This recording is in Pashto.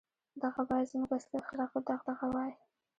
• دغه باید زموږ اصلي اخلاقي دغدغه وای.